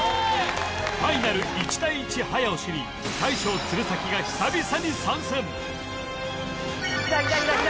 ファイナル１対１早押しに大将鶴崎が久々に参戦きたきたきたきた！